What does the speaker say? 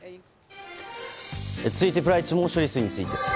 続いて、プライチも処理水について。